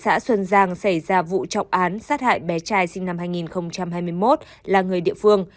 xã xuân giang xảy ra vụ trọng án sát hại bé trai sinh năm hai nghìn hai mươi một là người địa phương